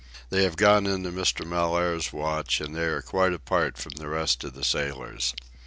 They have gone into Mr. Mellaire's watch, and they are quite apart from the rest of the sailors.